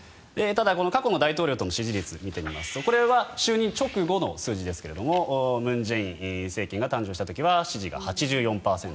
ただ、過去の大統領の支持率を見てみますとこれは就任直後の数字ですが文在寅政権が誕生した時は支持が８４％。